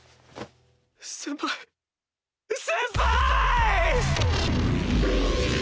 先輩先輩！